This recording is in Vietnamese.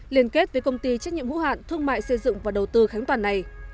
liên kết với công ty trách nhiệm hữu hạn thương mại xây dựng và đầu tư khánh toàn này